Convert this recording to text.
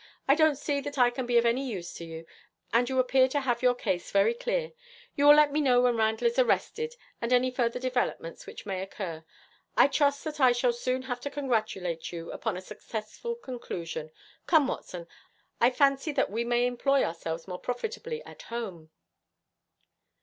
I don't see that I can be of any use to you, and you appear to have your case very clear. You will let me know when Randall is arrested, and any further developments which may occur. I trust that I shall soon have to congratulate you upon a successful conclusion. Come, Watson, I fancy that we may employ ourselves more profitably at home.'